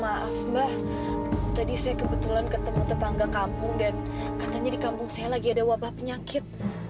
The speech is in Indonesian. maaf mbak tadi saya kebetulan ketemu tetangga kampung dan katanya di kampung saya lagi ada wabah penyakit